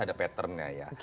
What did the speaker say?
ada pattern nya ya